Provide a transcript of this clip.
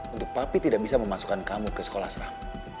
untuk papi tidak bisa memasukkan kamu ke sekolah serah